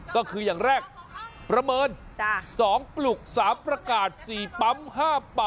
ก็คืออย่างแรกประเมิน๒ปลุก๓ประกาศ๔ปั๊ม๕๘